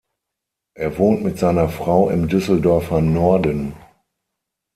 Er wohnt mit seiner Frau im Düsseldorfer Norden.